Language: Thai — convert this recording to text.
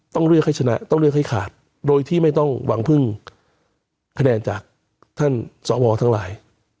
ต้องเลือกให้ชนะต้องเลือกให้ขาดโดยที่ไม่ต้องหวังพึ่งคะแนนจากท่านสวทั้งหลาย